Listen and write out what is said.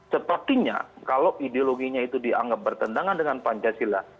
sepertinya kalau ideologinya itu dianggap bertentangan dengan pancasila